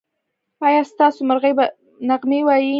ایا ستاسو مرغۍ به نغمې وايي؟